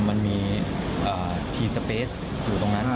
มันมีอ่าทีสเปสอยู่ตรงนั้นอ่า